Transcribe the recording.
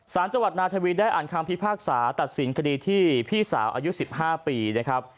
สารจังหวัดนาทวีได้อ่านคำพิพากษาตัดสินคดีที่พี่สาวอายุ๑๕ปีนะครับ